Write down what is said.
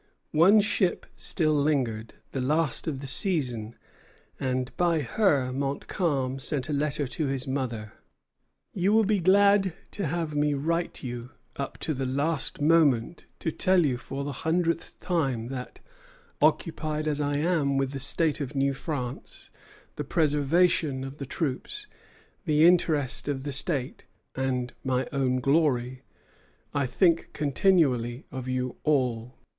One ship still lingered, the last of the season, and by her Montcalm sent a letter to his mother: "You will be glad to have me write to you up to the last moment to tell you for the hundredth time that, occupied as I am with the fate of New France, the preservation of the troops, the interest of the state, and my own glory, I think continually of you all.